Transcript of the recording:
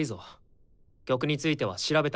曲については調べたりしたか？